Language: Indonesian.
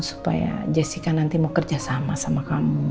supaya jessica nanti mau kerja sama sama kamu